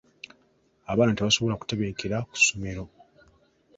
Abaana tebasobola kutebenkera ku ssomero.